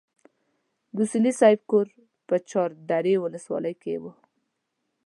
د اصولي صیب کور په چار درې ولسوالۍ کې وو.